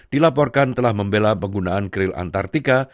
dilaporkan telah membela penggunaan kril antartika